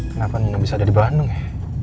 kenapa minum bisa ada di bandung ya